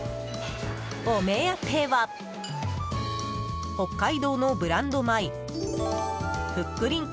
お目当ては北海道のブランド米ふっくりん